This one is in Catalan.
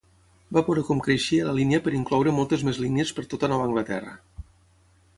Va veure com creixia la línia per incloure moltes més línies per tota Nova Anglaterra.